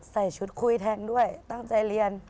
ใส่ชุดคุยแทงด้วยตั้งใจเรียน